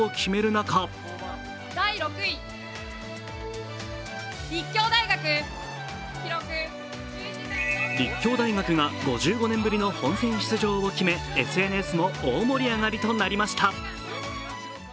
中立教大学が５５年ぶりの本戦出場を決めＳＮＳも大盛り上がりとなりました。